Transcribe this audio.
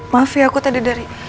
maafin aku tadi dari